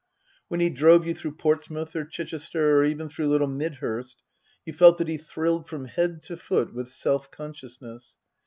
When he drove you through Portsmouth or Chichester, or even through little Midhurst, you felt that he thrilled from head to foot with self consciousness.